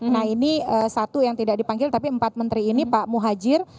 nah ini satu yang tidak dipanggil tapi empat menteri ini pak muhajir